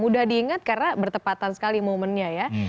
mudah diingat karena bertepatan sekali momennya ya